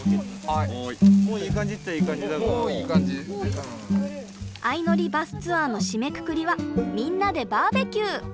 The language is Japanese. あいのりバスツアーの締めくくりはみんなでバーベキュー。